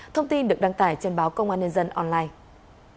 thông tin được đăng tải trên báo công an nhân dân online